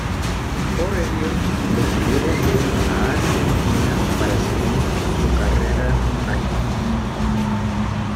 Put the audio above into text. Por ello decidió volver a Argentina para seguir su carrera allí.